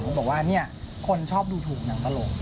เขาบอกว่าคนชอบดูถูกหนังตลก